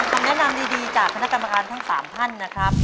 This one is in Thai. คำแนะนำดีจากคณะกรรมการทั้ง๓ท่านนะครับ